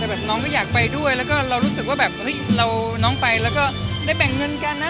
แบบน้องไม่อยากไปด้วยแล้วก็เรารู้สึกว่าแบบเฮ้ยเราน้องไปแล้วก็ได้แบ่งเงินกันนะ